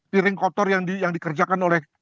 piring kotor yang dikerjakan oleh